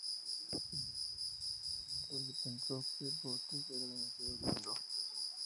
Bishop estaba furioso y pensó que Bouterse era demasiado blando.